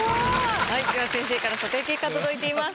先生から査定結果届いています。